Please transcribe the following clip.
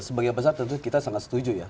sebagian besar tentu kita sangat setuju ya